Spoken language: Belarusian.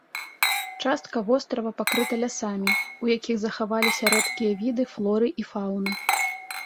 Частка вострава пакрыта лясамі, у якіх захаваліся рэдкія віды флоры і фаўны.